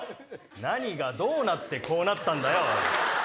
何がどうなってこうなったんだよ？